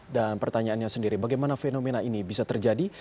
dan pertanyaannya sendiri bagaimana fenomena ini bisa terjadi